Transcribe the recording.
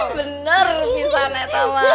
bener pisahnya teman